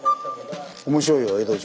面白いよ江戸城。